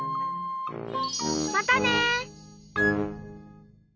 またね！